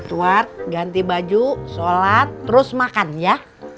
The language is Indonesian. keluar ganti baju sholat terus makan ya